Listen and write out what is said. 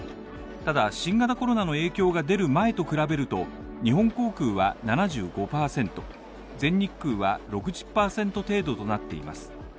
ただ新型コロナの影響が出る前と比べると、日本航空は７５％、全日空は６０％程度となっています。